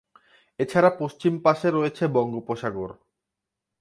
এছাড়া পশ্চিম পাশে রয়েছে বঙ্গোপসাগর।